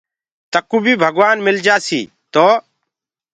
تڪو بي ڀگوآن مِلجآسيٚ تو